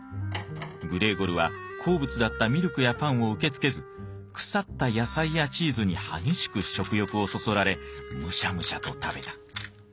グレーゴルは好物だったミルクやパンを受け付けず腐った野菜やチーズに激しく食欲をそそられムシャムシャと食べた。